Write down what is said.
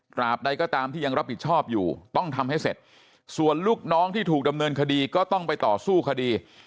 ใดก็ตามที่ยังรับผิดชอบอยู่ต้องทำให้เสร็จส่วนลูกน้องที่ถูกดำเนินคดีก็ต้องไปต่อสู้คดี